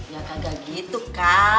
ya kagak gitu kak